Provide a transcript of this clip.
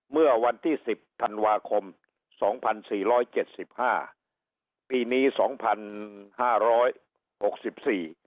เมื่อวันที่สิบธันวาคมสองพันสี่ร้อยเจ็ดสิบห้าปีนี้สองพันห้าร้อยหกสิบสี่